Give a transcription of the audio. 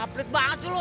belit banget sih lu